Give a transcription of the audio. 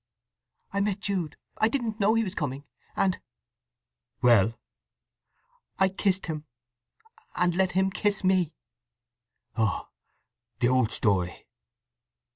"I met Jude! I didn't know he was coming. And—" "Well?" "I kissed him, and let him kiss me." "Oh—the old story!"